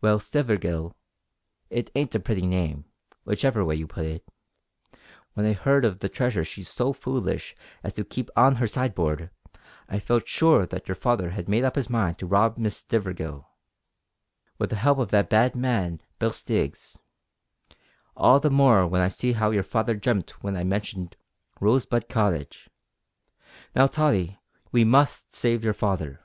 "Well, Stivergill. It ain't a pretty name, whichever way you put it. When I heard of the treasure she's so foolish as to keep on her sideboard, I felt sure that your father had made up his mind to rob Miss Stivergill with the help of that bad man Bill Stiggs all the more w'en I see how your father jumped w'en I mentioned Rosebud Cottage. Now, Tottie, we must save your father.